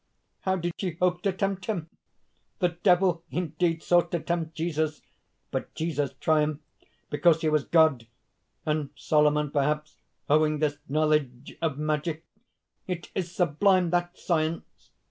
'_ "How did she hope to tempt him? The Devil indeed sought to tempt Jesus! But Jesus triumphed because he was God; and Solomon, perhaps, owing this knowledge of magic! It is sublime that science!